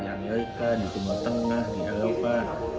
di amerika di timur tengah di eropa